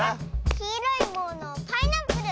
「きいろいものパイナップル！」